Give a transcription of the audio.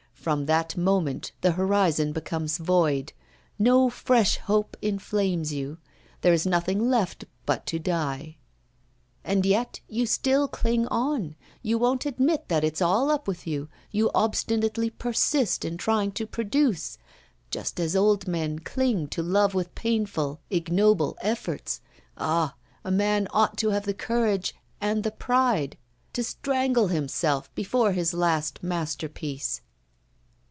From that moment the horizon becomes void; no fresh hope inflames you; there is nothing left but to die. And yet you still cling on, you won't admit that it's all up with you, you obstinately persist in trying to produce just as old men cling to love with painful, ignoble efforts. Ah! a man ought to have the courage and the pride to strangle himself before his last masterpiece!